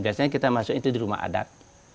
biasanya kita masuk itu di rumah adat